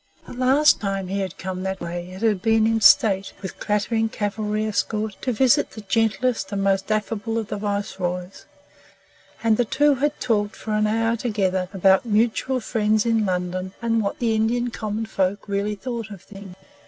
The last time he had come that way it had been in state, with a clattering cavalry escort, to visit the gentlest and most affable of Viceroys; and the two had talked for an hour together about mutual friends in London, and what the Indian common folk really thought of things.